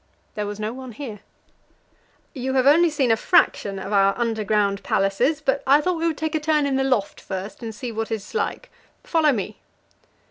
There was no one here. "You have only seen a fraction of our underground palaces, but I thought we would take a turn in the loft first and see what it is like. Follow me."